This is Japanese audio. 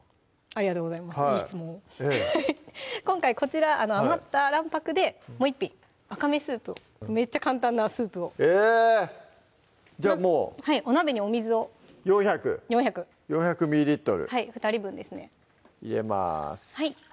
ありがとうございますいい質問を今回こちら余った卵白でもう１品わかめスープをめっちゃ簡単なスープをじゃあもうお鍋にお水を４００２人分ですね入れます